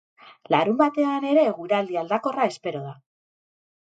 Larunbatean ere eguraldi aldakorra espero da.